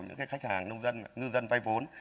những khách hàng nông dân ngư dân vay vốn